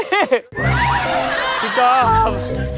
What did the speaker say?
พี่กอภ